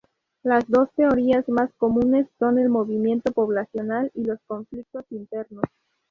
Las dos teorías más comunes son el movimiento poblacional y los conflictos internos.